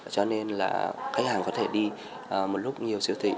cho nên là khách hàng có thể đi một lúc nhiều siêu thị